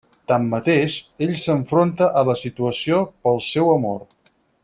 Tanmateix, ell s'enfronta a la situació pel seu amor.